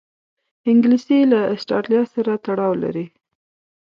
انګلیسي له آسټرالیا سره تړاو لري